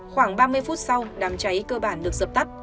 khoảng ba mươi phút sau đám cháy cơ bản được dập tắt